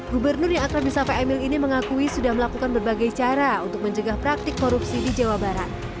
gubernur yang akrab di sapai emil ini mengakui sudah melakukan berbagai cara untuk mencegah praktik korupsi di jawa barat